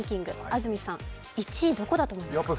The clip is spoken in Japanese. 安住さん、１位はどこだったと思いますか？